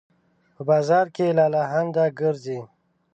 په بازار کې لالهانده ګرځي